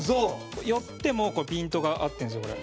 寄ってもピントが合ってるんですよこれ。